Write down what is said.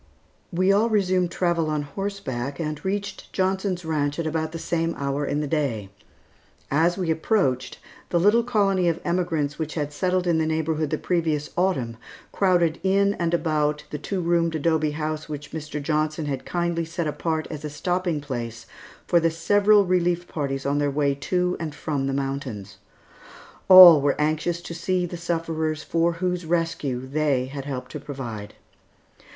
We all resumed travel on horseback and reached Johnson's Ranch about the same hour in the day. As we approached, the little colony of emigrants which had settled in the neighborhood the previous Autumn crowded in and about the two roomed adobe house which Mr. Johnson had kindly set apart as a stopping place for the several relief parties on their way to and from the mountains. All were anxious to see the sufferers for whose rescue they had helped to provide.